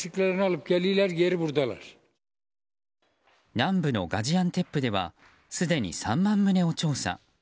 南部のガジアンテップではすでに３万棟を調査。